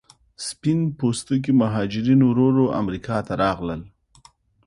سپین پوستکي مهاجرین ورو ورو امریکا ته راغلل.